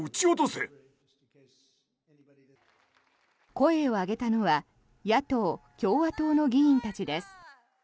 声を上げたのは野党・共和党の議員たちです。